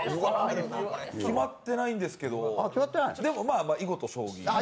決まってないんですけどでも、囲碁と将棋。